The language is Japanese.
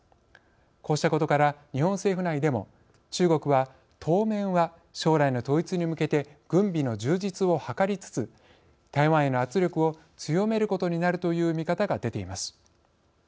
こうしたことから日本政府内でも中国は当面は将来の統一に向けて軍備の充実を図りつつ台湾への圧力を強めることになるという見方が出ています。